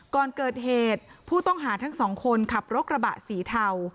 ก่อนเกิดเหตุผู้ต้องหาทั้งสองคนขับรถกระบะสีเทา